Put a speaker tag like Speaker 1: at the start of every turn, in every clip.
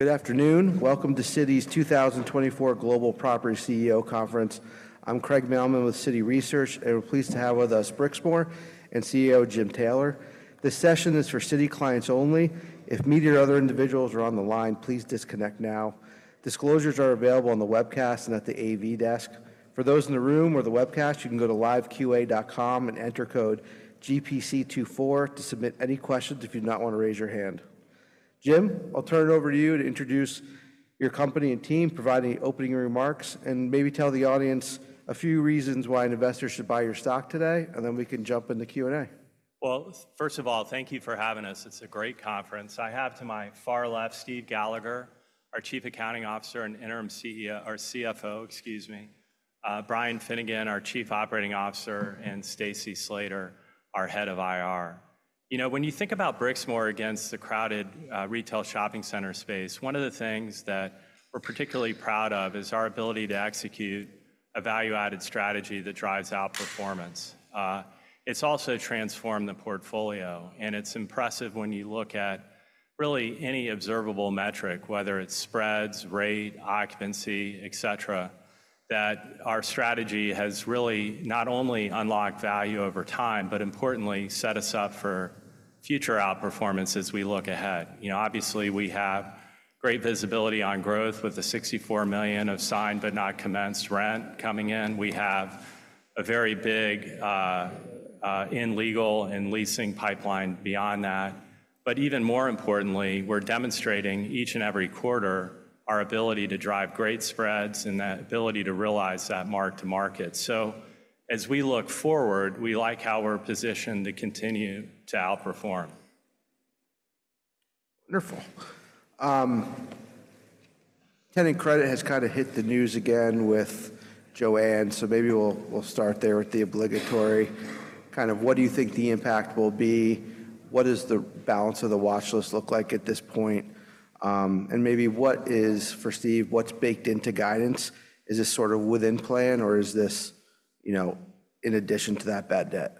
Speaker 1: Good afternoon. Welcome to Citi's 2024 Global Property CEO Conference. I'm Craig Mailman with Citi Research, and we're pleased to have with us Brixmor's CEO Jim Taylor. This session is for Citi clients only. If media or other individuals are on the line, please disconnect now. Disclosures are available on the webcast and at the AV desk. For those in the room or the webcast, you can go to liveqa.com and enter code GPC24 to submit any questions if you do not want to raise your hand. Jim, I'll turn it over to you to introduce your company and team, provide any opening remarks, and maybe tell the audience a few reasons why an investor should buy your stock today, and then we can jump into Q&A.
Speaker 2: Well, first of all, thank you for having us. It's a great conference. I have to my far left, Steve Gallagher, our Chief Accounting Officer and Interim CFO, excuse me, Brian Finnegan, our Chief Operating Officer, and Stacy Slater, our Head of IR. You know, when you think about Brixmor against the crowded, retail shopping center space, one of the things that we're particularly proud of is our ability to execute a value-added strategy that drives outperformance. It's also transformed the portfolio, and it's impressive when you look at really any observable metric, whether it's spreads, rate, occupancy, et cetera, that our strategy has really not only unlocked value over time, but importantly, set us up for future outperformance as we look ahead. You know, obviously, we have great visibility on growth with the $64 million of signed but not commenced rent coming in. We have a very big in legal and leasing pipeline beyond that. But even more importantly, we're demonstrating each and every quarter our ability to drive great spreads and that ability to realize that mark to market. So as we look forward, we like how we're positioned to continue to outperform.
Speaker 1: Wonderful. Tenant credit has kind of hit the news again with JOANN, so maybe we'll start there with the obligatory. Kind of, what do you think the impact will be? What does the balance of the watchlist look like at this point? And maybe what is, for Steve, what's baked into guidance, is this sort of within plan, or is this, you know, in addition to that bad debt?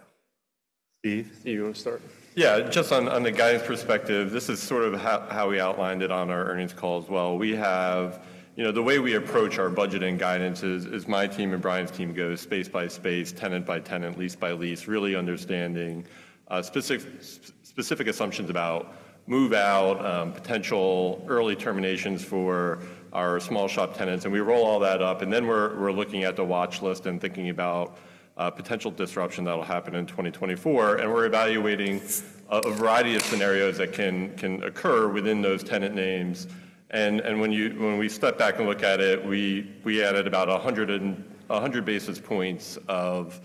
Speaker 2: Steve, do you want to start?
Speaker 3: Yeah, just on the guidance perspective, this is sort of how we outlined it on our earnings call as well. We have—you know, the way we approach our budgeting guidance is my team and Brian's team go space by space, tenant by tenant, lease by lease, really understanding specific assumptions about move-out, potential early terminations for our small shop tenants, and we roll all that up, and then we're looking at the watchlist and thinking about potential disruption that'll happen in 2024. And we're evaluating a variety of scenarios that can occur within those tenant names. And when we step back and look at it, we added about 100 and 100 basis points of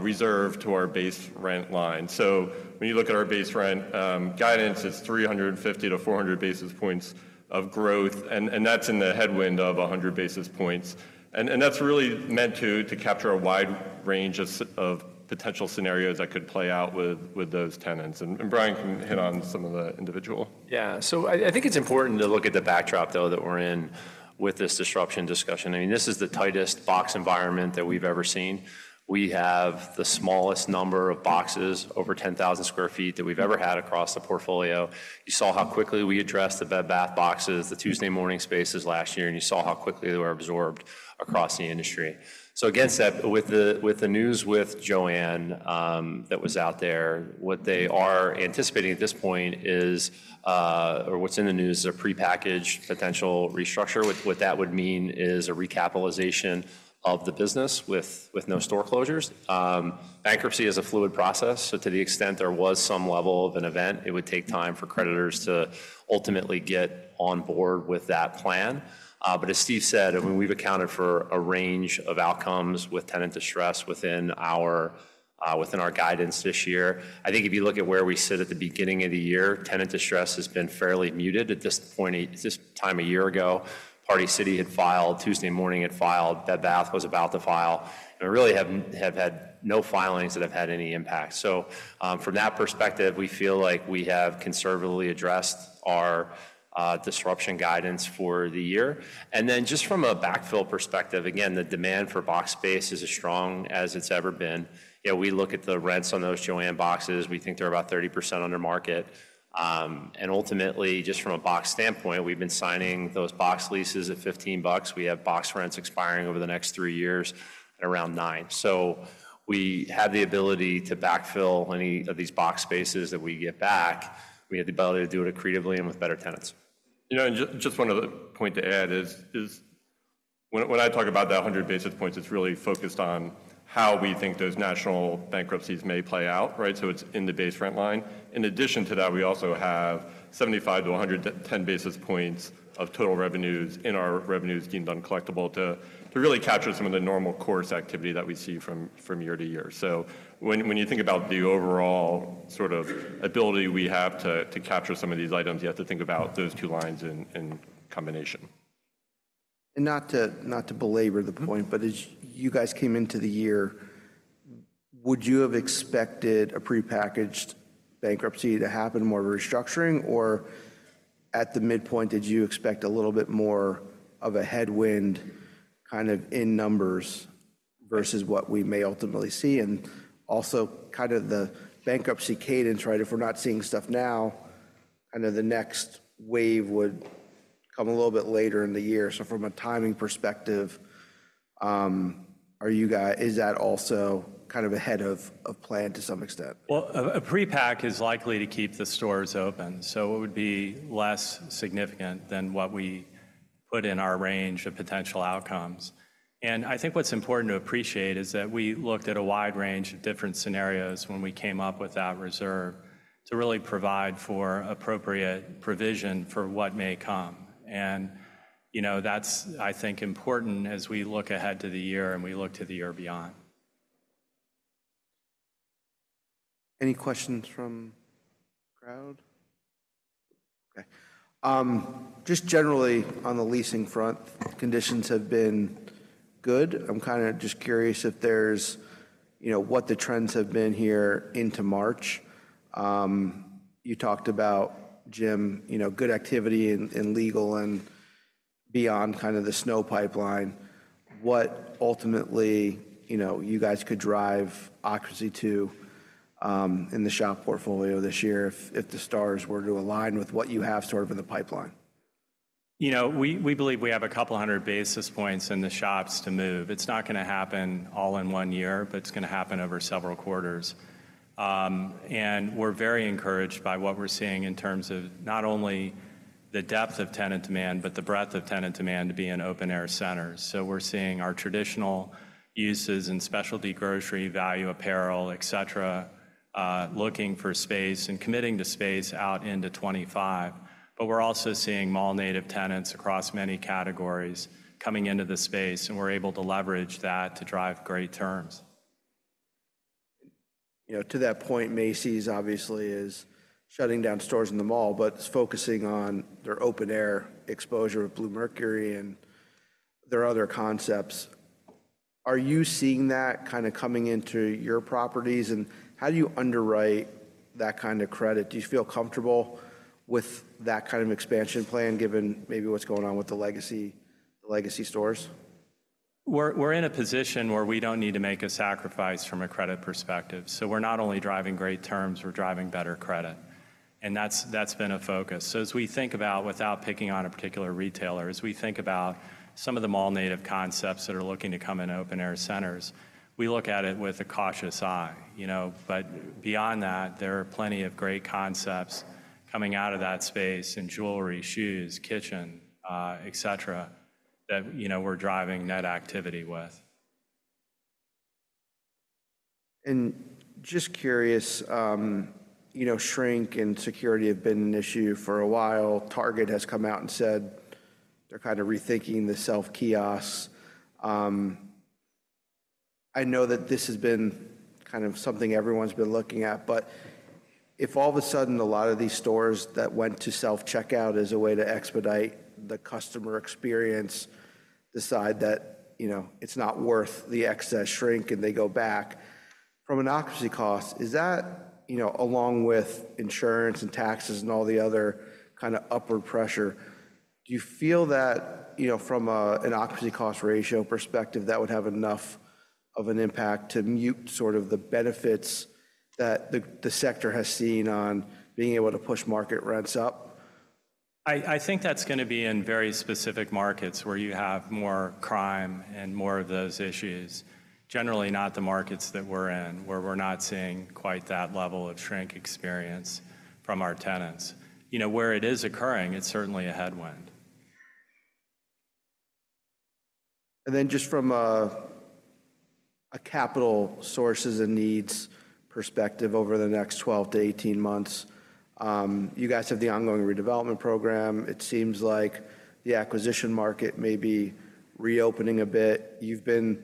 Speaker 3: reserve to our base rent line. So when you look at our base rent guidance, it's 350-400 basis points of growth, and that's in the headwind of 100 basis points. And that's really meant to capture a wide range of potential scenarios that could play out with those tenants. And Brian can hit on some of the individual.
Speaker 4: Yeah. So I, I think it's important to look at the backdrop, though, that we're in with this disruption discussion. I mean, this is the tightest box environment that we've ever seen. We have the smallest number of boxes, over 10,000 sq ft, that we've ever had across the portfolio. You saw how quickly we addressed the Bed Bath boxes, the Tuesday Morning spaces last year, and you saw how quickly they were absorbed across the industry. So again, Steve, with the, with the news with JOANN, that was out there, what they are anticipating at this point is, or what's in the news is a prepackaged potential restructure. With what that would mean is a recapitalization of the business with, with no store closures. Bankruptcy is a fluid process, so to the extent there was some level of an event, it would take time for creditors to ultimately get on board with that plan. But as Steve said, I mean, we've accounted for a range of outcomes with tenant distress within our guidance this year. I think if you look at where we sit at the beginning of the year, tenant distress has been fairly muted at this point. At this time a year ago, Party City had filed, Tuesday Morning had filed, Bed Bath was about to file, and really have had no filings that have had any impact. So, from that perspective, we feel like we have conservatively addressed our disruption guidance for the year. Then just from a backfill perspective, again, the demand for box space is as strong as it's ever been. You know, we look at the rents on those JOANN boxes, we think they're about 30% under market. And ultimately, just from a box standpoint, we've been signing those box leases at $15. We have box rents expiring over the next three years at around $9. So we have the ability to backfill any of these box spaces that we get back. We have the ability to do it accretively and with better tenants.
Speaker 3: You know, and just one other point to add is, when I talk about that 100 basis points, it's really focused on how we think those national bankruptcies may play out, right? So it's in the base rent line. In addition to that, we also have 75-110 basis points of total revenues in our revenues deemed uncollectible to really capture some of the normal course activity that we see from year to year. So when you think about the overall sort of ability we have to capture some of these items, you have to think about those two lines in combination.
Speaker 1: Not to belabor the point-
Speaker 3: Mm-hmm.
Speaker 1: But as you guys came into the year, would you have expected a prepackaged bankruptcy to happen, more of a restructuring, or at the midpoint, did you expect a little bit more of a headwind, kind of in numbers?... versus what we may ultimately see, and also kind of the bankruptcy cadence, right? If we're not seeing stuff now, kind of the next wave would come a little bit later in the year. So from a timing perspective, are you guys? Is that also kind of ahead of plan to some extent?
Speaker 2: Well, a pre-pack is likely to keep the stores open, so it would be less significant than what we put in our range of potential outcomes. I think what's important to appreciate is that we looked at a wide range of different scenarios when we came up with that reserve, to really provide for appropriate provision for what may come. You know, that's, I think, important as we look ahead to the year and we look to the year beyond.
Speaker 1: Any questions from the crowd? Okay. Just generally on the leasing front, conditions have been good. I'm kind of just curious if there's, you know, what the trends have been here into March. You talked about, Jim, you know, good activity in leasing and beyond kind of the SNO pipeline. What ultimately, you know, you guys could drive occupancy to in the shop portfolio this year if the stars were to align with what you have sort of in the pipeline?
Speaker 2: You know, we believe we have 200 basis points in the shops to move. It's not gonna happen all in one year, but it's gonna happen over several quarters. And we're very encouraged by what we're seeing in terms of not only the depth of tenant demand, but the breadth of tenant demand to be in open-air centers. So we're seeing our traditional uses in specialty grocery, value apparel, etc., looking for space and committing to space out into 2025. But we're also seeing mall-native tenants across many categories coming into the space, and we're able to leverage that to drive great terms.
Speaker 1: You know, to that point, Macy's obviously is shutting down stores in the mall, but it's focusing on their open-air exposure with Bluemercury and their other concepts. Are you seeing that kind of coming into your properties, and how do you underwrite that kind of credit? Do you feel comfortable with that kind of expansion plan, given maybe what's going on with the legacy, the legacy stores?
Speaker 2: We're in a position where we don't need to make a sacrifice from a credit perspective. So we're not only driving great terms, we're driving better credit, and that's been a focus. So as we think about, without picking on a particular retailer, as we think about some of the mall-native concepts that are looking to come in open-air centers, we look at it with a cautious eye, you know. But beyond that, there are plenty of great concepts coming out of that space in jewelry, shoes, kitchen, etc., that, you know, we're driving net activity with.
Speaker 1: Just curious, you know, shrink and security have been an issue for a while. Target has come out and said they're kind of rethinking the self-kiosks. I know that this has been kind of something everyone's been looking at, but if all of a sudden a lot of these stores that went to self-checkout as a way to expedite the customer experience decide that, you know, it's not worth the excess shrink and they go back, from an occupancy cost, is that, you know, along with insurance and taxes and all the other kind of upward pressure, do you feel that, you know, from a, an occupancy cost ratio perspective, that would have enough of an impact to mute sort of the benefits that the, the sector has seen on being able to push market rents up?
Speaker 2: I think that's gonna be in very specific markets where you have more crime and more of those issues. Generally, not the markets that we're in, where we're not seeing quite that level of shrink experience from our tenants. You know, where it is occurring, it's certainly a headwind.
Speaker 1: Then just from a capital sources and needs perspective over the next 12-18 months, you guys have the ongoing redevelopment program. It seems like the acquisition market may be reopening a bit. You've been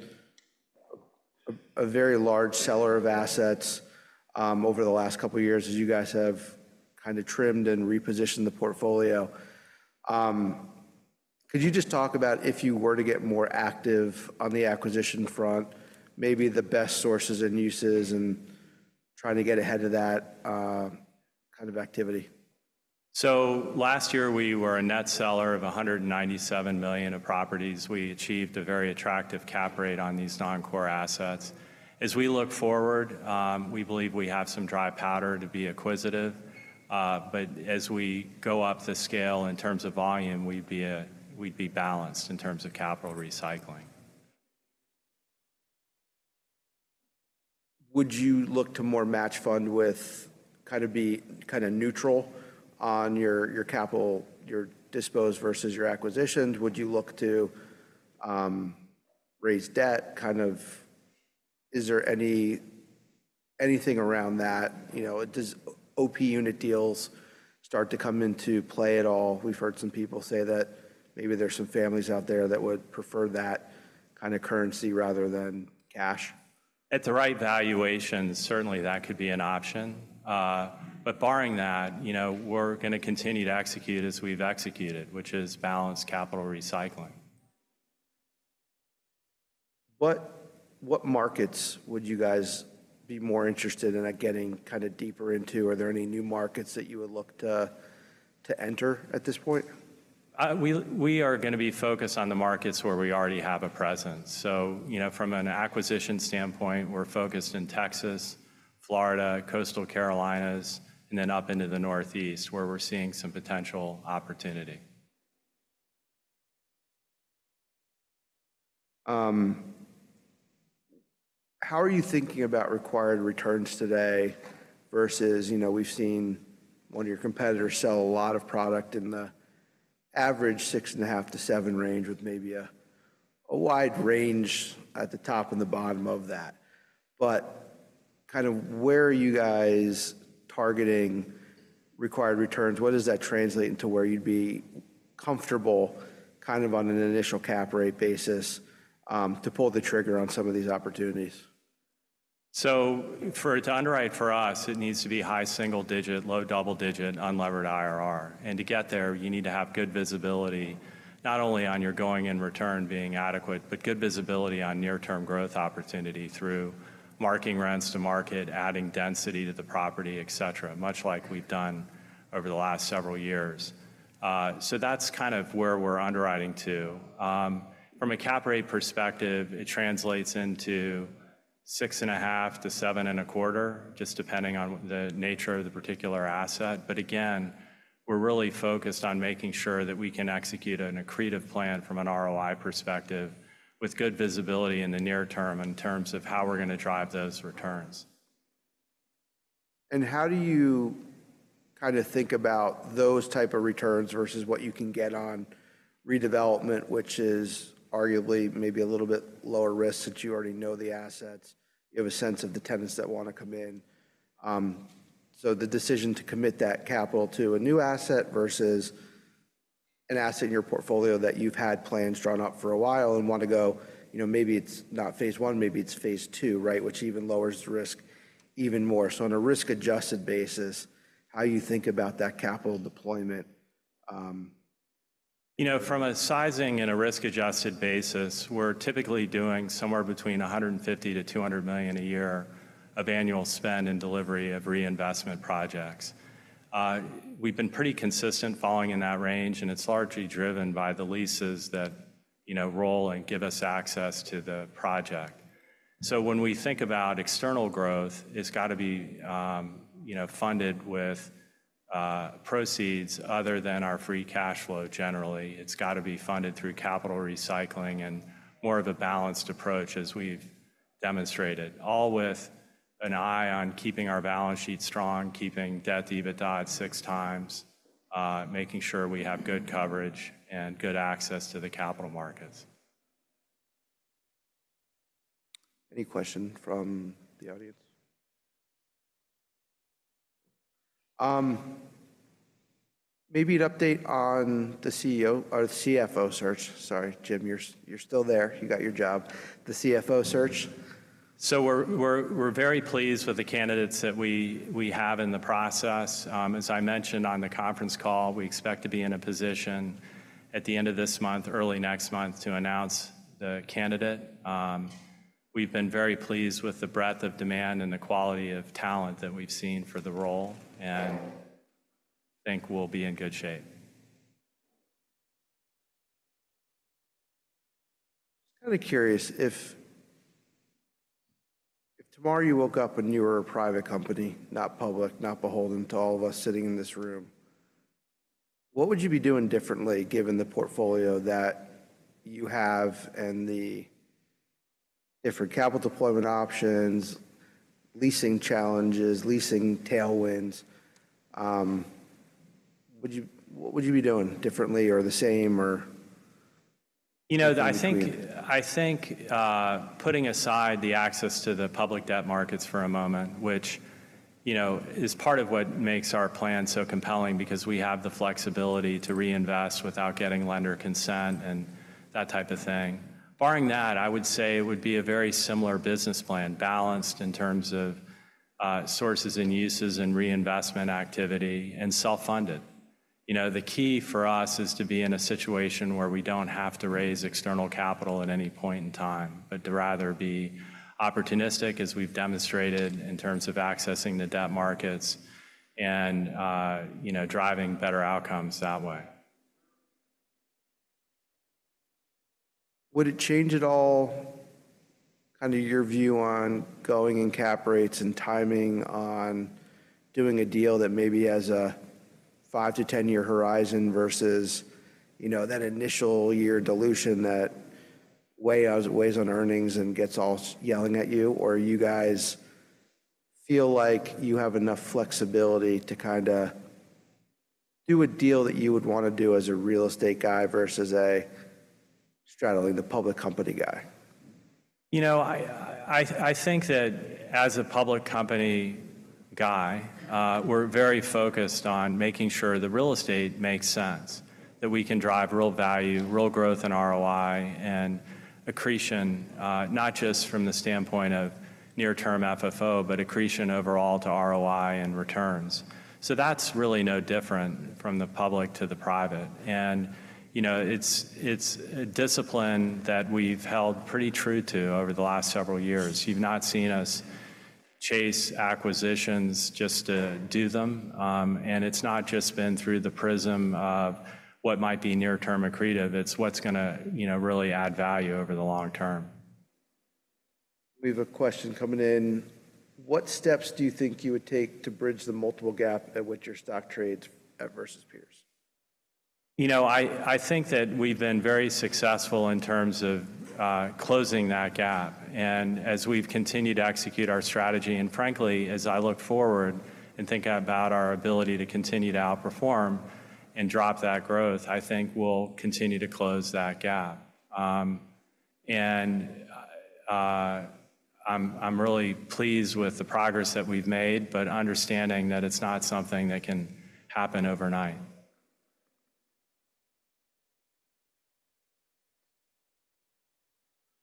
Speaker 1: a very large seller of assets over the last couple of years, as you guys have kind of trimmed and repositioned the portfolio. Could you just talk about if you were to get more active on the acquisition front, maybe the best sources and uses and trying to get ahead of that kind of activity?
Speaker 2: Last year, we were a net seller of $197 million of properties. We achieved a very attractive cap rate on these non-core assets. As we look forward, we believe we have some dry powder to be acquisitive, but as we go up the scale in terms of volume, we'd be balanced in terms of capital recycling.
Speaker 1: Would you look to more match fund with kind of be kind of neutral on your, your capital, your disposed versus your acquisitions? Would you look to raise debt kind of? Is there anything around that? You know, does OP unit deals start to come into play at all? We've heard some people say that maybe there's some families out there that would prefer that kind of currency rather than cash.
Speaker 2: At the right valuation, certainly that could be an option. But barring that, you know, we're gonna continue to execute as we've executed, which is balanced capital recycling.
Speaker 1: What, what markets would you guys be more interested in, like, getting kind of deeper into? Are there any new markets that you would look to, to enter at this point?...
Speaker 2: We are going to be focused on the markets where we already have a presence. So, you know, from an acquisition standpoint, we're focused in Texas, Florida, Coastal Carolinas, and then up into the Northeast, where we're seeing some potential opportunity.
Speaker 1: How are you thinking about required returns today versus, you know, we've seen one of your competitors sell a lot of product in the average 6.5 to seven range, with maybe a wide range at the top and the bottom of that. But kind of where are you guys targeting required returns? What does that translate into where you'd be comfortable, kind of on an initial cap rate basis, to pull the trigger on some of these opportunities?
Speaker 2: So for it to underwrite for us, it needs to be high single digit, low double digit, unlevered IRR. To get there, you need to have good visibility, not only on your going in return being adequate, but good visibility on near-term growth opportunity through marking rents to market, adding density to the property, et cetera, much like we've done over the last several years. So that's kind of where we're underwriting to. From a cap rate perspective, it translates into 6.5-7.25, just depending on the nature of the particular asset. But again, we're really focused on making sure that we can execute an accretive plan from an ROI perspective, with good visibility in the near term in terms of how we're going to drive those returns.
Speaker 1: How do you kind of think about those type of returns versus what you can get on redevelopment, which is arguably maybe a little bit lower risk, since you already know the assets, you have a sense of the tenants that want to come in? So the decision to commit that capital to a new asset versus an asset in your portfolio that you've had plans drawn up for a while and want to go, you know, maybe it's not phase one, maybe it's phase two, right? Which even lowers the risk even more. So on a risk-adjusted basis, how you think about that capital deployment?
Speaker 2: You know, from a sizing and a risk-adjusted basis, we're typically doing somewhere between $150 million-$200 million a year of annual spend and delivery of reinvestment projects. We've been pretty consistent falling in that range, and it's largely driven by the leases that, you know, roll and give us access to the project. So when we think about external growth, it's got to be, you know, funded with proceeds other than our free cash flow, generally. It's got to be funded through capital recycling and more of a balanced approach, as we've demonstrated, all with an eye on keeping our balance sheet strong, keeping debt to EBITDA at 6x, making sure we have good coverage and good access to the capital markets.
Speaker 1: Any question from the audience? Maybe an update on the CEO or the CFO search. Sorry, Jim, you're still there. You got your job. The CFO search?
Speaker 2: So we're very pleased with the candidates that we have in the process. As I mentioned on the conference call, we expect to be in a position at the end of this month, early next month, to announce the candidate. We've been very pleased with the breadth of demand and the quality of talent that we've seen for the role, and think we'll be in good shape.
Speaker 1: Kind of curious, if, if tomorrow you woke up and you were a private company, not public, not beholden to all of us sitting in this room, what would you be doing differently, given the portfolio that you have and the different capital deployment options, leasing challenges, leasing tailwinds? Would you be doing differently or the same or...?
Speaker 2: You know, I think, I think, putting aside the access to the public debt markets for a moment, which, you know, is part of what makes our plan so compelling, because we have the flexibility to reinvest without getting lender consent and that type of thing. Barring that, I would say it would be a very similar business plan, balanced in terms of, sources and uses and reinvestment activity, and self-funded. You know, the key for us is to be in a situation where we don't have to raise external capital at any point in time, but to rather be opportunistic, as we've demonstrated, in terms of accessing the debt markets and, you know, driving better outcomes that way.
Speaker 1: Would it change at all kind of your view on going in cap rates and timing on doing a deal that maybe has a five to 10-year horizon versus, you know, that initial year dilution that weighs on earnings and gets all yelling at you? Or you guys feel like you have enough flexibility to kind of do a deal that you would want to do as a real estate guy versus a straddling the public company guy?
Speaker 2: You know, I think that as a public company guy, we're very focused on making sure the real estate makes sense, that we can drive real value, real growth in ROI, and accretion, not just from the standpoint of near-term FFO, but accretion overall to ROI and returns. So that's really no different from the public to the private. You know, it's a discipline that we've held pretty true to over the last several years. You've not seen us chase acquisitions just to do them. And it's not just been through the prism of what might be near-term accretive, it's what's gonna, you know, really add value over the long term.
Speaker 1: We have a question coming in: What steps do you think you would take to bridge the multiple gap at which your stock trades at versus peers?
Speaker 2: You know, I think that we've been very successful in terms of closing that gap, and as we've continued to execute our strategy, and frankly, as I look forward and think about our ability to continue to outperform and drop that growth, I think we'll continue to close that gap. And I'm really pleased with the progress that we've made, but understanding that it's not something that can happen overnight.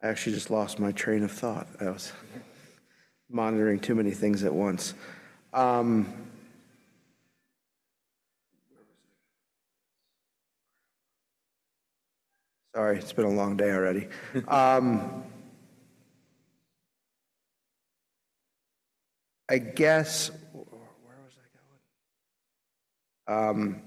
Speaker 1: I actually just lost my train of thought. I was monitoring too many things at once. Where was I? Sorry, it's been a long day already. I guess, where was I going? I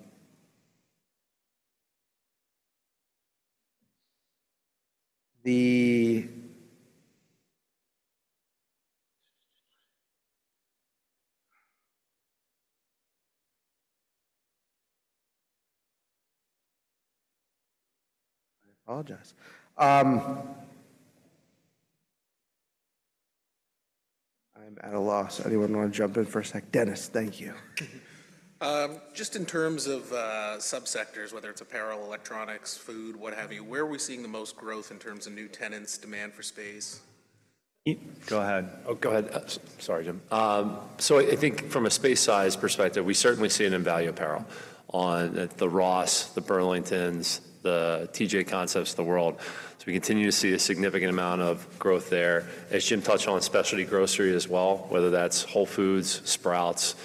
Speaker 1: apologize. I'm at a loss. Anyone want to jump in for a sec? Dennis, thank you.
Speaker 5: Just in terms of subsectors, whether it's apparel, electronics, food, what have you, where are we seeing the most growth in terms of new tenants' demand for space?
Speaker 2: Go ahead.
Speaker 4: Oh, go ahead. Sorry, Jim. So I think from a space size perspective, we certainly see it in value apparel on the Ross, the Burlingtons, the TJX of the world. So we continue to see a significant amount of growth there. As Jim touched on, specialty grocery as well, whether that's Whole Foods, Sprouts,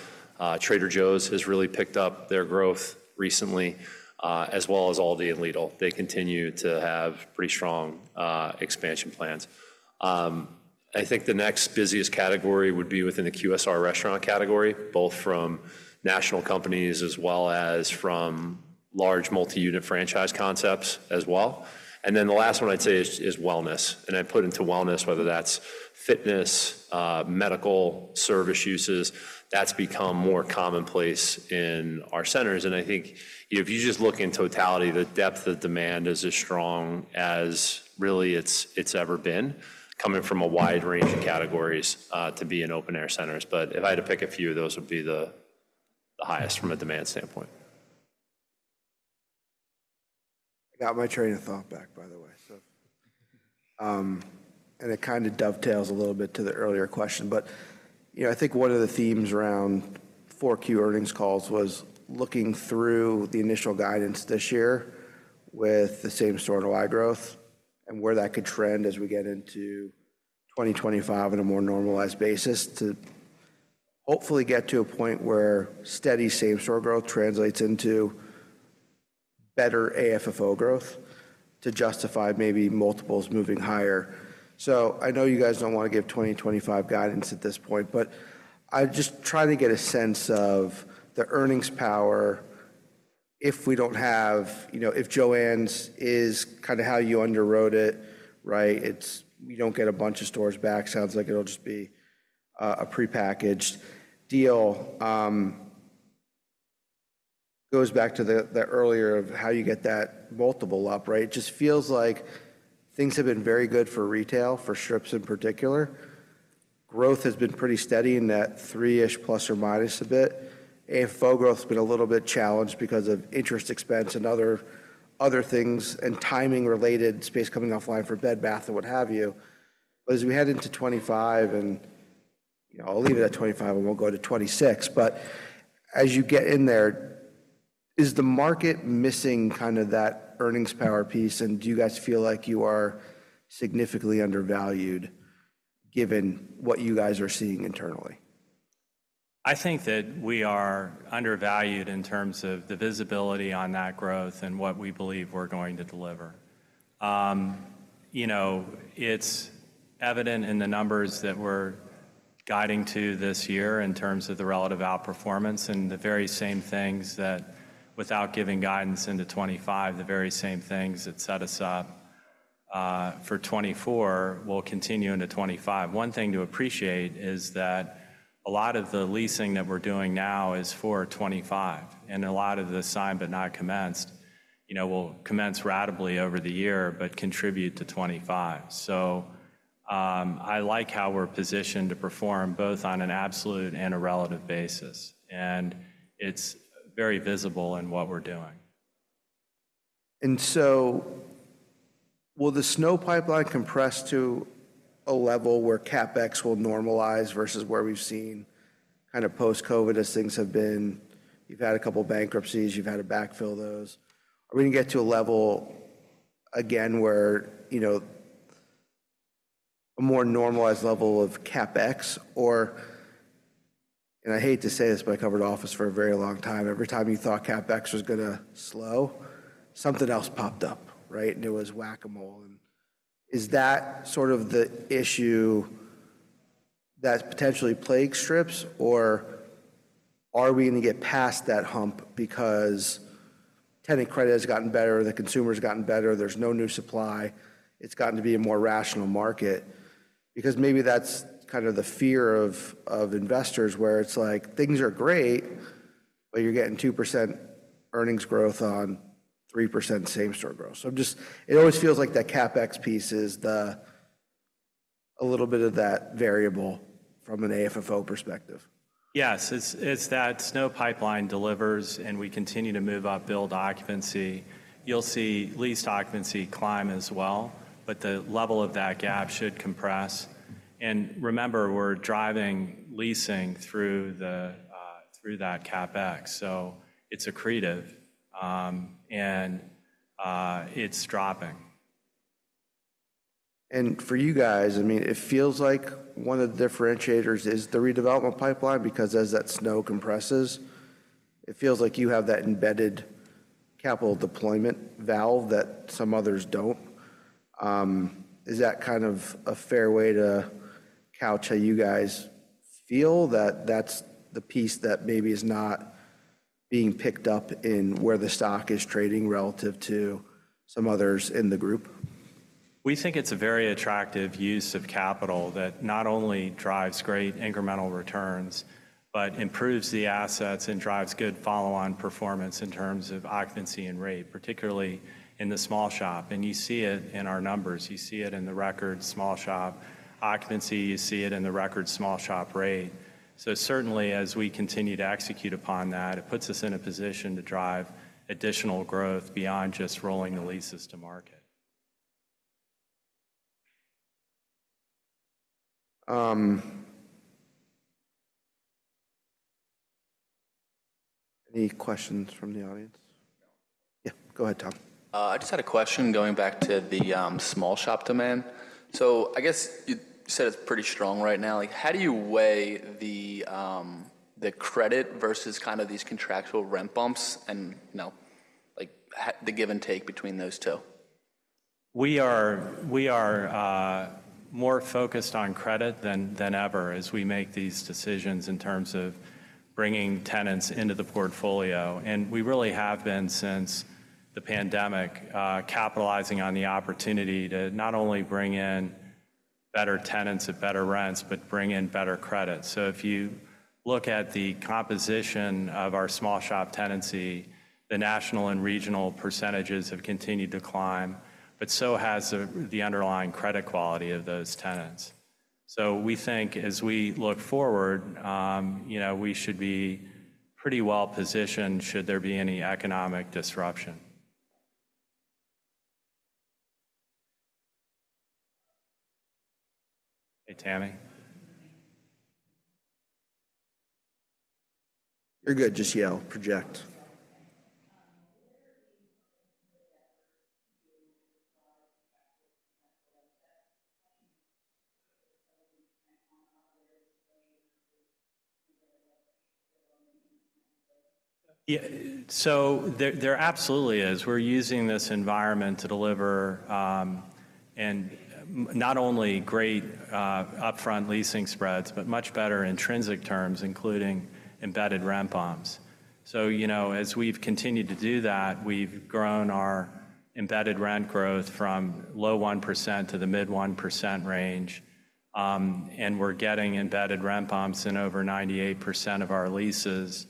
Speaker 4: Trader Joe's has really picked up their growth recently, as well as Aldi and Lidl. They continue to have pretty strong expansion plans. I think the next busiest category would be within the QSR restaurant category, both from national companies as well as from large multi-unit franchise concepts as well. And then the last one I'd say is wellness, and I put into wellness, whether that's fitness, medical service uses, that's become more commonplace in our centers. I think if you just look in totality, the depth of demand is as strong as really it's ever been, coming from a wide range of categories to be in open-air centers. But if I had to pick a few, those would be the highest from a demand standpoint.
Speaker 1: I got my train of thought back, by the way. So, and it kind of dovetails a little bit to the earlier question, but, you know, I think one of the themes around 4Q earnings calls was looking through the initial guidance this year with the same-store NOI growth and where that could trend as we get into 2025 on a more normalized basis, to hopefully get to a point where steady same-store growth translates into better AFFO growth to justify maybe multiples moving higher. So I know you guys don't want to give 2025 guidance at this point, but I'm just trying to get a sense of the earnings power if we don't have... You know, if JOANN's is kinda how you underwrote it, right? It's you don't get a bunch of stores back. Sounds like it'll just be a prepackaged deal. Goes back to the earlier of how you get that multiple up, right? It just feels like things have been very good for retail, for strips in particular. Growth has been pretty steady in that three-ish, plus or minus a bit. AFFO growth has been a little bit challenged because of interest expense and other things, and timing-related space coming offline for Bed Bath and what have you. But as we head into 2025, and, you know, I'll leave it at 2025 and won't go to 2026, but as you get in there, is the market missing kind of that earnings power piece, and do you guys feel like you are significantly undervalued, given what you guys are seeing internally?
Speaker 2: I think that we are undervalued in terms of the visibility on that growth and what we believe we're going to deliver. You know, it's evident in the numbers that we're guiding to this year in terms of the relative outperformance and the very same things that, without giving guidance into 2025, the very same things that set us up for 2024 will continue into 2025. One thing to appreciate is that a lot of the leasing that we're doing now is for 2025, and a lot of the signed but not commenced, you know, will commence ratably over the year but contribute to 2025. I like how we're positioned to perform both on an absolute and a relative basis, and it's very visible in what we're doing.
Speaker 1: So will the SNO pipeline compress to a level where CapEx will normalize versus where we've seen kind of post-COVID as things have been? You've had a couple bankruptcies, you've had to backfill those. Are we gonna get to a level again, where, you know, a more normalized level of CapEx, or... I hate to say this, but I covered office for a very long time. Every time you thought CapEx was gonna slow, something else popped up, right? And it was Whac-A-Mole. Is that sort of the issue that's potentially plaguing strips, or are we gonna get past that hump because tenant credit has gotten better, the consumer's gotten better, there's no new supply, it's gotten to be a more rational market? Because maybe that's kind of the fear of, of investors, where it's like, things are great, but you're getting 2% earnings growth on 3% same-store growth. So I'm just. It always feels like that CapEx piece is the, a little bit of that variable from an AFFO perspective.
Speaker 2: Yes, it's as that SNO pipeline delivers and we continue to move up build occupancy, you'll see leased occupancy climb as well, but the level of that gap should compress. And remember, we're driving leasing through that CapEx, so it's accretive, and it's dropping.
Speaker 1: For you guys, I mean, it feels like one of the differentiators is the redevelopment pipeline, because as that SNO compresses, it feels like you have that embedded capital deployment valve that some others don't. Is that kind of a fair way to couch how you guys feel that that's the piece that maybe is not being picked up in where the stock is trading relative to some others in the group?
Speaker 2: We think it's a very attractive use of capital that not only drives great incremental returns, but improves the assets and drives good follow-on performance in terms of occupancy and rate, particularly in the small shop. And you see it in our numbers, you see it in the record small shop occupancy, you see it in the record small shop rate. So certainly, as we continue to execute upon that, it puts us in a position to drive additional growth beyond just rolling the leases to market.
Speaker 1: Any questions from the audience? Yeah, go ahead, Tom.
Speaker 6: I just had a question going back to the small shop demand. So I guess you said it's pretty strong right now. Like, how do you weigh the the credit versus kind of these contractual rent bumps and, you know, like, the give and take between those two?
Speaker 2: We are more focused on credit than ever as we make these decisions in terms of bringing tenants into the portfolio. And we really have been, since the pandemic, capitalizing on the opportunity to not only bring in better tenants at better rents, but bring in better credit. So if you look at the composition of our small shop tenancy, the national and regional percentages have continued to climb, but so has the underlying credit quality of those tenants. So we think as we look forward, you know, we should be pretty well positioned should there be any economic disruption. Hey, Tammy?
Speaker 1: You're good, just yell, project.
Speaker 2: Yeah, so there, there absolutely is. We're using this environment to deliver, and not only great, upfront leasing spreads, but much better intrinsic terms, including embedded rent bumps. So, you know, as we've continued to do that, we've grown our embedded rent growth from low 1% to the mid-1% range, and we're getting embedded rent bumps in over 98% of our leases,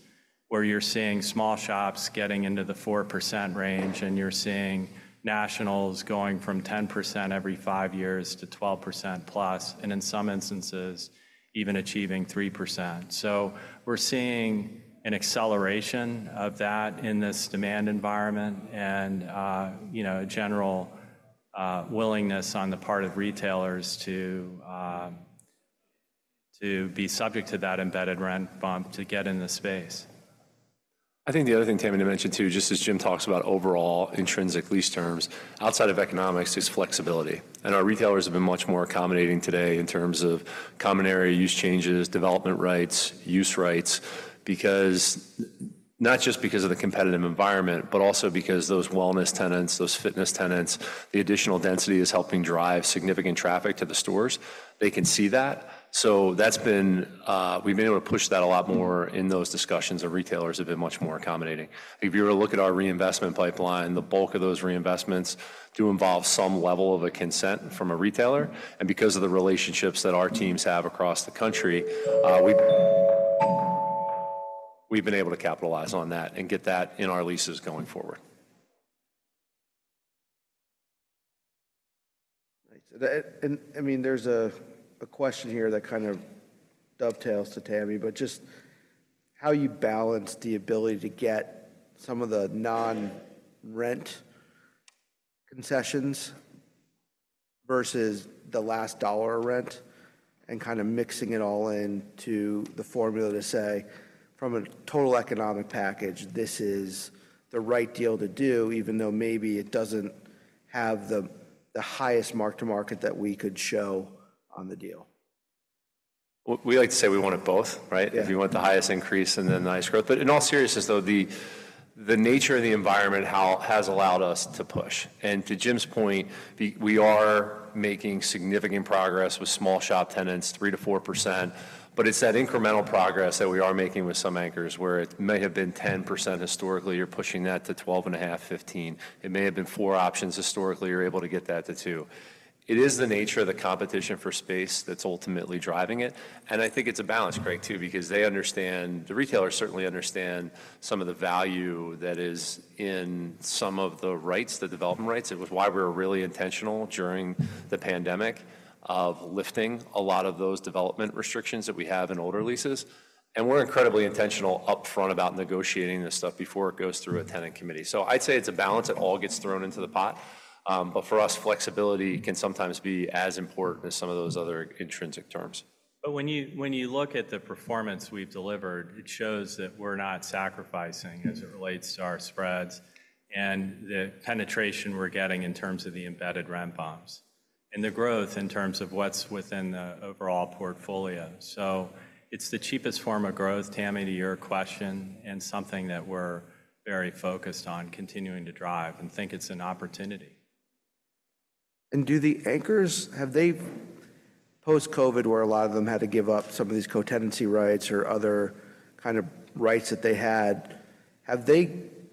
Speaker 2: where you're seeing small shops getting into the 4% range, and you're seeing nationals going from 10% every five years to 12%+, and in some instances, even achieving 3%. So we're seeing an acceleration of that in this demand environment and, you know, a general willingness on the part of retailers to, to be subject to that embedded rent bump to get in the space.
Speaker 4: I think the other thing, Tammy, to mention, too, just as Jim talks about overall intrinsic lease terms, outside of economics, is flexibility. And our retailers have been much more accommodating today in terms of common area use changes, development rights, use rights, because, not just because of the competitive environment, but also because those wellness tenants, those fitness tenants, the additional density is helping drive significant traffic to the stores. They can see that, so that's been. We've been able to push that a lot more in those discussions, and retailers have been much more accommodating. If you were to look at our reinvestment pipeline, the bulk of those reinvestments do involve some level of a consent from a retailer, and because of the relationships that our teams have across the country, we've been able to capitalize on that and get that in our leases going forward.
Speaker 1: Right. So, I mean, there's a question here that kind of dovetails to Tammy, but just how you balance the ability to get some of the non-rent concessions versus the last dollar of rent, and kind of mixing it all into the formula to say, from a total economic package, this is the right deal to do, even though maybe it doesn't have the highest mark to market that we could show on the deal?
Speaker 4: Well, we like to say we want it both, right?
Speaker 2: Yeah.
Speaker 4: If you want the highest increase and then the highest growth. But in all seriousness, though, the nature of the environment how has allowed us to push. And to Jim's point, we are making significant progress with small shop tenants, 3%-4%, but it's that incremental progress that we are making with some anchors, where it may have been 10% historically, you're pushing that to 12.5, 15. It may have been four options historically, you're able to get that to two. It is the nature of the competition for space that's ultimately driving it, and I think it's a balance, Craig, too, because they understand. The retailers certainly understand some of the value that is in some of the rights, the development rights. It was why we were really intentional during the pandemic of lifting a lot of those development restrictions that we have in older leases, and we're incredibly intentional upfront about negotiating this stuff before it goes through a tenant committee. So I'd say it's a balance. It all gets thrown into the pot, but for us, flexibility can sometimes be as important as some of those other intrinsic terms.
Speaker 2: But when you, when you look at the performance we've delivered, it shows that we're not sacrificing as it relates to our spreads and the penetration we're getting in terms of the embedded rent bumps, and the growth in terms of what's within the overall portfolio. So it's the cheapest form of growth, Tammy, to your question, and something that we're very focused on continuing to drive and think it's an opportunity.
Speaker 1: Do the anchors, have they, post-COVID, where a lot of them had to give up some of these co-tenancy rights or other kind of rights that they had, have they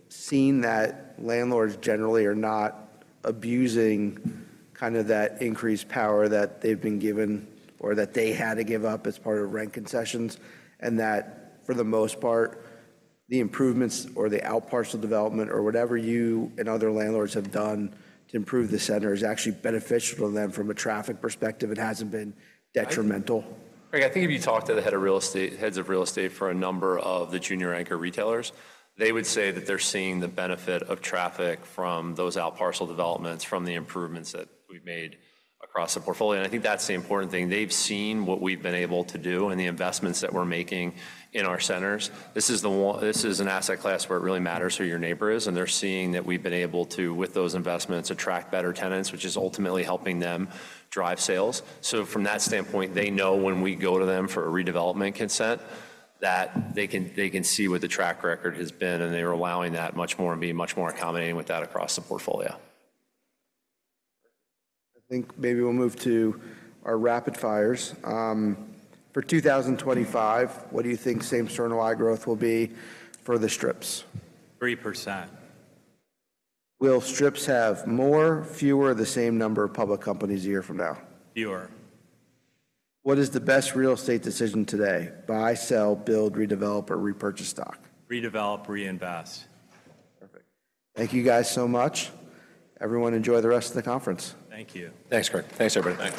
Speaker 1: seen that landlords generally are not abusing kind of that increased power that they've been given or that they had to give up as part of rent concessions, and that, for the most part, the improvements, or the outparcel development, or whatever you and other landlords have done to improve the center is actually beneficial to them from a traffic perspective, it hasn't been detrimental?
Speaker 4: Craig, I think if you talk to the head of real estate- heads of real estate for a number of the junior anchor retailers, they would say that they're seeing the benefit of traffic from those outparcel developments, from the improvements that we've made across the portfolio, and I think that's the important thing. They've seen what we've been able to do and the investments that we're making in our centers. This is an asset class where it really matters who your neighbor is, and they're seeing that we've been able to, with those investments, attract better tenants, which is ultimately helping them drive sales. From that standpoint, they know when we go to them for a redevelopment consent, that they can, they can see what the track record has been, and they're allowing that much more and being much more accommodating with that across the portfolio.
Speaker 1: I think maybe we'll move to our rapid fires. For 2025, what do you think same-store NOI growth will be for the strips?
Speaker 2: 3%.
Speaker 1: Will strips have more, fewer, or the same number of public companies a year from now?
Speaker 2: Fewer.
Speaker 1: What is the best real estate decision today? Buy, sell, build, redevelop, or repurchase stock?
Speaker 2: Redevelop, reinvest.
Speaker 1: Perfect. Thank you guys so much. Everyone, enjoy the rest of the conference.
Speaker 2: Thank you.
Speaker 4: Thanks, Craig. Thanks, everybody.